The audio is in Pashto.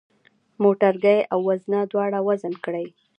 موټرګی او وزنه دواړه وزن کړئ.